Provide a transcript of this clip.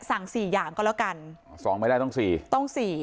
สั่งสี่อย่างก็แล้วกันอ๋อสองไม่ได้ต้องสี่ต้องสี่